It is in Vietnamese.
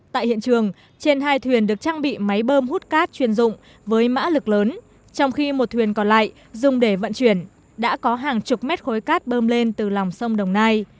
tại hiện trường trên hai thuyền được trang bị máy bơm hút cát chuyên dụng với mã lực lớn trong khi một thuyền còn lại dùng để vận chuyển đã có hàng chục mét khối cát bơm lên từ lòng sông đồng nai